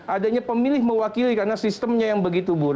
adanya pemilih mewakili karena sistemnya yang begitu buruk